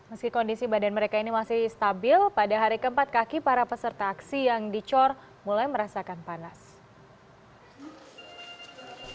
meski kondisi badan mereka ini masih stabil pada hari keempat kaki para peserta aksi yang dicor mulai merasakan panas